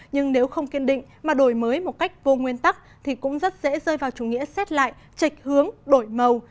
nhưng nếu không kiên định mà đổi mới một cách vô nguyên tắc thì cũng rất dễ rơi vào chủ nghĩa xét lại trịch hướng đổi màu